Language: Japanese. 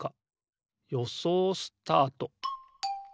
よそうスタート！